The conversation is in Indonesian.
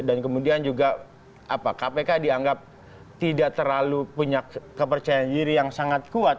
kemudian juga kpk dianggap tidak terlalu punya kepercayaan diri yang sangat kuat